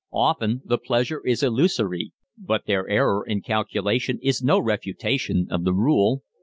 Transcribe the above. Often the pleasure is illusory, but their error in calculation is no refutation of the rule.